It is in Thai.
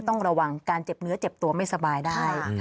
ต้องระวังการเจ็บเนื้อเจ็บตัวไม่สบายได้